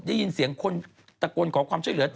ได้ยินเสียงคนตะโกนขอความช่วยเหลือ